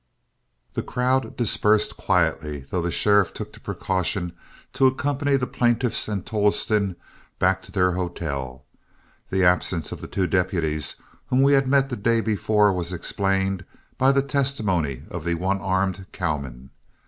The crowd dispersed quietly, though the sheriff took the precaution to accompany the plaintiffs and Tolleston back to their hotel. The absence of the two deputies whom we had met the day before was explained by the testimony of the one armed cowman.